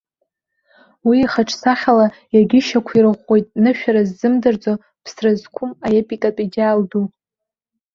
Уи ихаҿсахьала иагьышьақәирӷәӷәоит нышәара ззымдырӡо, ԥсра зқәым аепикатә идеал ду.